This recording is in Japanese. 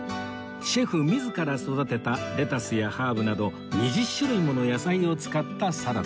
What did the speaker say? シェフ自ら育てたレタスやハーブなど２０種類もの野菜を使ったサラダです